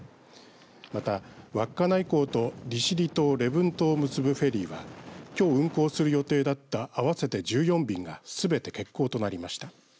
また、稚内港と利尻島、礼文島を結ぶフェリーはきょう運行する予定だった合わせて１４便がすべて欠航となりました。